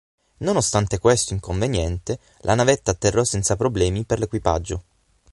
Nonostante questo inconveniente la navetta atterrò senza problemi per l'equipaggio.